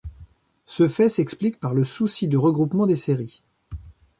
Ce fait s'explique par le souci de regroupement des séries.